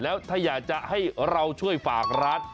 แล้วถ้าอยากจะให้เราช่วยฝากร้าน